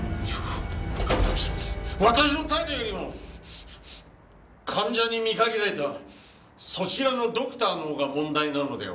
私の態度よりも患者に見限られたそちらのドクターのほうが問題なのでは？